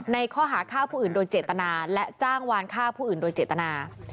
ข้อหาฆ่าผู้อื่นโดยเจตนาและจ้างวานฆ่าผู้อื่นโดยเจตนา